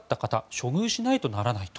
処遇しないとならないと。